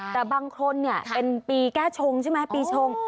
แต่บางคนเนี่ยเป็นปีแก้ชงใช่ไหมปีชง